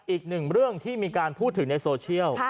อีกหนึ่งเรื่องที่มีการพูดถึงในโซเชียล